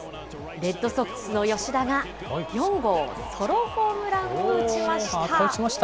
レッドソックスの吉田が４号ソロホームランを打ちました。